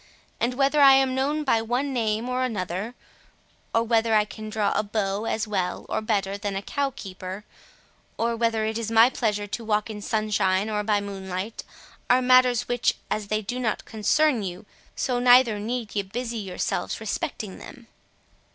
And whether I am known by one name or another—or whether I can draw a bow as well or better than a cow keeper, or whether it is my pleasure to walk in sunshine or by moonlight, are matters, which, as they do not concern you, so neither need ye busy yourselves respecting them."